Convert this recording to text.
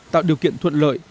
tạo điều kiện thuận lợi